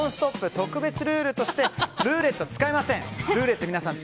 特別ルールとして皆さんルーレット使いません。